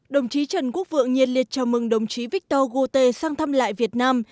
đồng chí trần quốc vượng nhiệt liệt chào mừng đồng chí victor gauté sang thăm lại việt nam